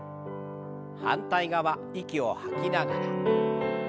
反対側息を吐きながら。